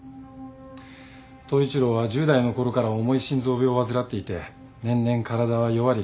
統一郎は１０代のころから重い心臓病を患っていて年々体は弱り